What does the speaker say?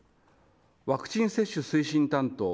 ワクチン接種推進担当